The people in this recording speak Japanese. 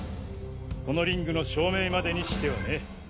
このリングの照明までにしてはね。